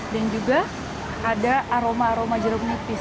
dan juga ada aroma aroma jeruk nipis